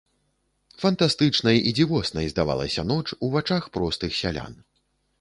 Фантастычнай і дзівоснай здавалася ноч у вачах простых сялян.